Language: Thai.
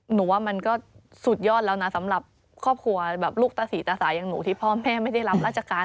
หนูว่ามันก็สุดยอดแล้วนะสำหรับครอบครัวแบบลูกตาศรีตาสายอย่างหนูที่พ่อแม่ไม่ได้รับราชการ